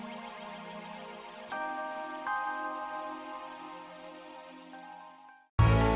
reina kan suka tanaman sama seperti ayahnya